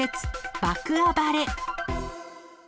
爆暴れ。